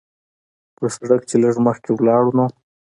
پۀ سړک چې لږ مخکښې لاړو نو